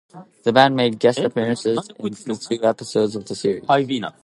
The band made guest appearances in two episodes of the series.